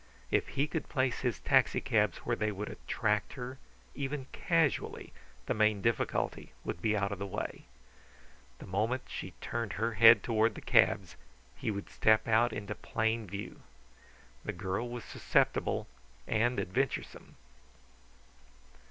If he could place his taxicabs where they would attract her, even casually, the main difficulty would be out of the way. The moment she turned her head toward the cabs he would step out into plain view. The girl was susceptible and adventuresome.